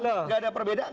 gak ada perbedaan